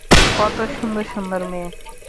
কত সুন্দর সুন্দর মেয়ে!